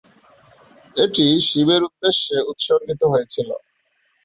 এটি শিবের উদ্দেশ্যে উৎসর্গিত হয়েছিল।